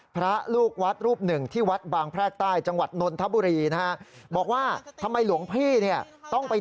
พระลูกวัดรูปหนึ่งที่วัดบางแพรกใต้